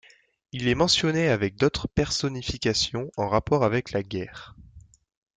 Il est mentionné avec d'autres personnifications en rapport avec la guerre.